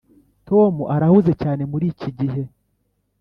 tom arahuze cyane muriki gihe.